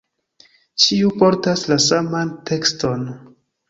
Ĉiu portas la saman tekston.